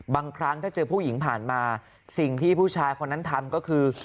บางครั้งถ้าเจอผู้หญิงผ่านมาสิ่งที่ผู้ชายคนนั้นทำก็คือ